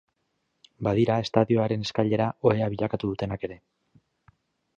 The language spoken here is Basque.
Badira estadioaren eskailera ohea bilakatu dutenak ere.